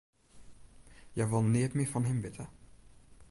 Hja wol neat mear fan him witte.